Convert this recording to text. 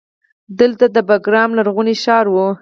دلته د بیګرام لرغونی ښار و